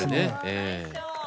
ええ。